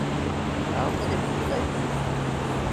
তাও তাদের বোধোদয় হয় না।